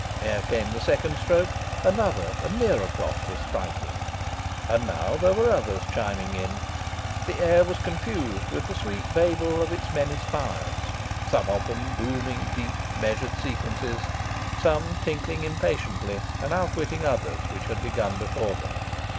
Ere came the second stroke, another and nearer clock was striking. And now there were others chiming in. The air was confused with the sweet babel of its many spires, some of them booming deep, measured sequences, some tinkling impatiently and outwitting others which had begun before them.